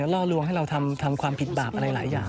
ล่อลวงให้เราทำความผิดบาปอะไรหลายอย่าง